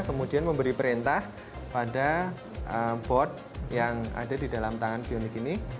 kemudian memberi perintah pada bot yang ada di dalam tangan bionik ini